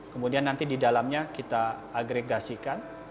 kemudian nanti di dalamnya kita agregasikan